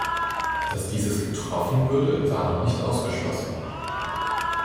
Dass dieses getroffen würde, war noch nicht ausgeschlossen.